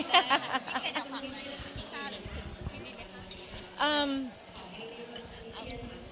มีเหตุผักในประชาหรือสิ่งจึงที่ดีในค่ะ